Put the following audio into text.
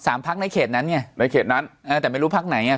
สามพักในเขตนั้นเนี้ยในเขตนั้นเออแต่ไม่รู้พักไหนเนี้ย